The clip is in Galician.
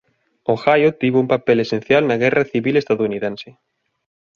Ohio tivo un papel esencial na Guerra Civil Estadounidense.